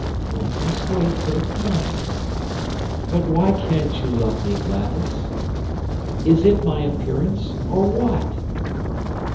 "One must wait till it comes." "But why can't you love me, Gladys? Is it my appearance, or what?"